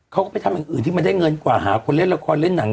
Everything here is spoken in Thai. เขาก็ไปทำอย่างอื่นที่มันได้เงินกว่าหาคนเล่นละครเล่นหนัง